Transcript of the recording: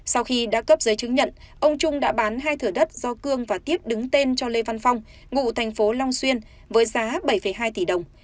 sau khi đã cấp giấy chứng nhận ông trung đã bán hai thửa đất do cương và tiếp đứng tên cho lê văn phong ngụ thành phố long xuyên với giá bảy hai tỷ đồng